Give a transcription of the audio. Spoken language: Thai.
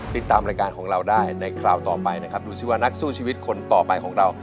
ติดตามรายการของเราได้ในคราวต่อไปนะครับดูสิว่านักสู้ชีวิตคนต่อไปของเรา